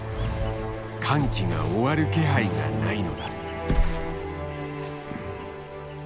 乾季が終わる気配がないのだ。